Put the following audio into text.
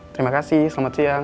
terima kasih selamat siang